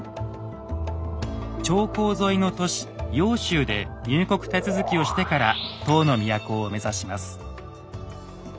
長江沿いの都市揚州で入国手続きをしてから唐の都を目指します。